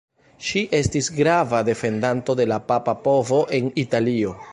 Ŝi estis grava defendanto de la papa povo en Italio.